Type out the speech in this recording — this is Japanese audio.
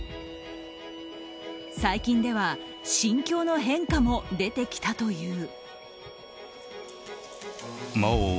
最近では、心境の変化も出てきたという。